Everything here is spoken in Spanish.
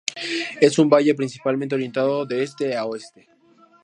Es un valle principalmente orientado de este a oeste.